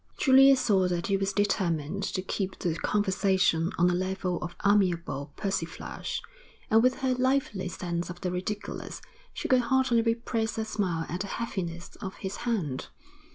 Julia saw that he was determined to keep the conversation on a level of amiable persiflage, and with her lively sense of the ridiculous she could hardly repress a smile at the heaviness of his hand.